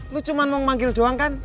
lu cuma mau manggil doang kan